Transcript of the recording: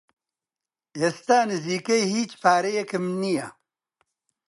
ئێستا نزیکەی هیچ پارەیەکم نییە.